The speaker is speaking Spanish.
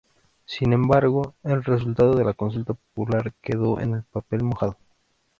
Sin embargo, el resultado de la consulta popular quedó en papel mojado.